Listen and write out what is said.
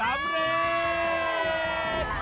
สำเร็จ